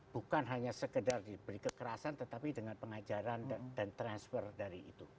bukan hanya sekedar diberi kekerasan tetapi dengan pengajaran dan transfer dari itu